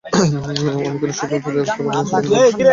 আমি এখানে স্বপ্ন ফেরি করতে আসিনি, আমাদের অবশ্যই কাজ করতে হবে।